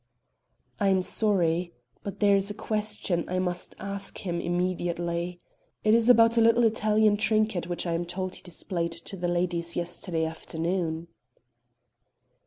"I am sorry, but there is a question I must ask him immediately. It is about a little Italian trinket which I am told he displayed to the ladies yesterday afternoon."